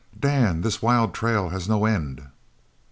"Dan, this wild trail has no end."